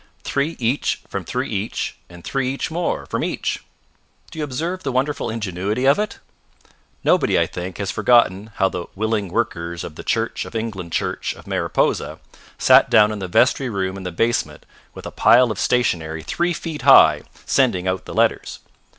Three each from three each, and three each more from each! Do you observe the wonderful ingenuity of it? Nobody, I think, has forgotten how the Willing Workers of the Church of England Church of Mariposa sat down in the vestry room in the basement with a pile of stationery three feet high, sending out the letters.